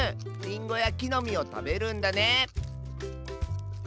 リンゴやきのみをたべるんだねえ。